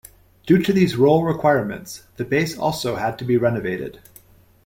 Due to these role requirements, the base also had to be renovated.